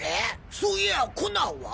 そういやコナンは？